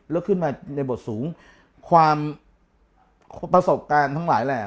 แล้วขึ้นมาในบทสูงความประสบการณ์ทั้งหลายแหละ